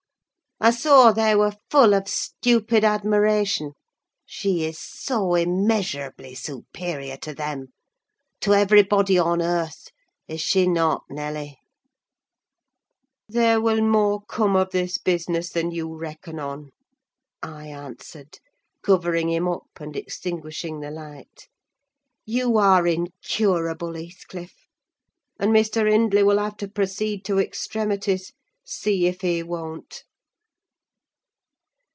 I saw they were full of stupid admiration; she is so immeasurably superior to them—to everybody on earth, is she not, Nelly?" "There will more come of this business than you reckon on," I answered, covering him up and extinguishing the light. "You are incurable, Heathcliff; and Mr. Hindley will have to proceed to extremities, see if he won't."